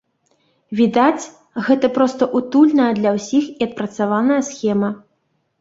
Відаць, гэта проста утульная для ўсіх і адпрацаваная схема.